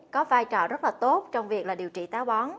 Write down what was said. có vai trò rất là tốt trong việc là điều trị táo bón